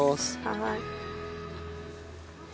はい。